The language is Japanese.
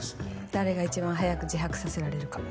誰が一番早く自白させられるか。